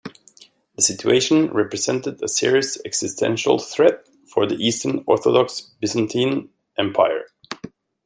The situation represented a serious existential threat for the Eastern Orthodox Byzantine Empire.